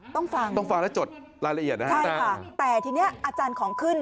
ต้องฟังต้องฟังแล้วจดรายละเอียดนะฮะใช่ค่ะแต่ทีนี้อาจารย์ของขึ้น